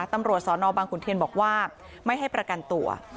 ตำรวจสนบางขุนเทียนบอกว่าไม่ให้ประกันตัว